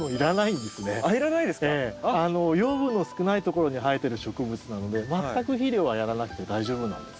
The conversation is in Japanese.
養分の少ないところに生えてる植物なので全く肥料はやらなくて大丈夫なんです。